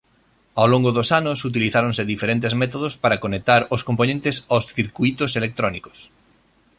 Ao longo dos anos utilizáronse diferentes métodos para conectar os compoñentes aos circuítos electrónicos.